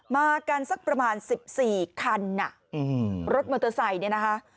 มากันสักประมาณ๑๔คันรถมอเตอร์ไซค์เนี่ยนะคะ